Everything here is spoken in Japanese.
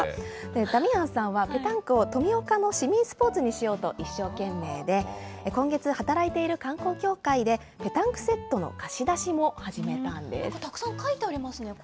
ダミアンさんは、ペタンクを富岡の市民スポーツにしようと一生懸命で、今月、働いている観光協会でペタンクセットの貸し出しも始たくさん書いてありますね。